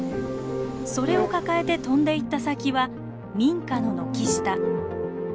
それを抱えて飛んでいった先は民家の軒下。